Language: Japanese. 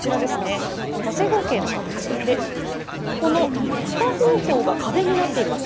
正方形の形で、この２方向が壁になっています。